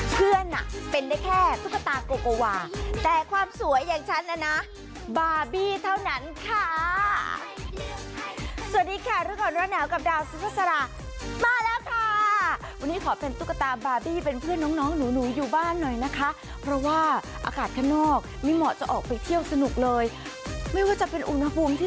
อ่ะเป็นได้แค่ตุ๊กตาโกโกวาแต่ความสวยอย่างฉันน่ะนะบาร์บี้เท่านั้นค่ะสวัสดีค่ะรู้ก่อนร้อนหนาวกับดาวสุภาษามาแล้วค่ะวันนี้ขอเป็นตุ๊กตาบาร์บี้เป็นเพื่อนน้องน้องหนูอยู่บ้านหน่อยนะคะเพราะว่าอากาศข้างนอกไม่เหมาะจะออกไปเที่ยวสนุกเลยไม่ว่าจะเป็นอุณหภูมิที่